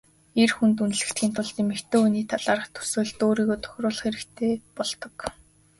Эр хүнд үнэлэгдэхийн тулд эмэгтэй хүний талаарх төсөөлөлд нь өөрийгөө тохируулах хэрэгтэй болдог.